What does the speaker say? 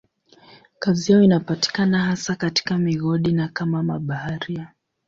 Kazi yao inapatikana hasa katika migodi na kama mabaharia.